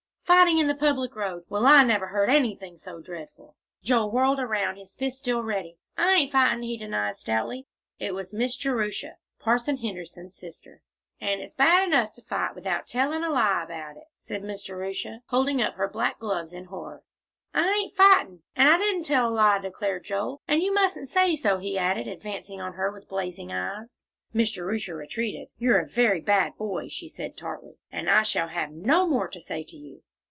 "Fighting in the public road! Well, I never heard anything so dreadful!" Joel whirled around, his fists still ready. "I ain't fighting," he denied stoutly. It was Miss Jerusha, Parson Henderson's sister. "And it's bad enough to fight, without telling a lie about it," said Miss Jerusha, holding up her black gloves in horror. "I ain't fighting. And I didn't tell a lie," declared Joel. "And you mustn't say so," he added, advancing on her with blazing eyes. Miss Jerusha retreated. "You're a very bad boy," she said tartly, "and I shall have no more to say to you."